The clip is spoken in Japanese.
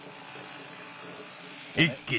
一気に。